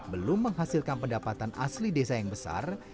belum menghasilkan pendapatan asli desa yang besar